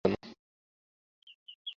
তার সামনে বড় একটি কাগজ বিছানো।